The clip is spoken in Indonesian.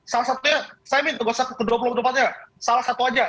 saya minta ke dua puluh empat dua puluh empat nya salah satu saja